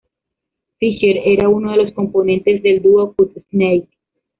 Fisher era uno de los componentes del dúo Cut Snake.